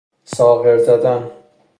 ساغر زدن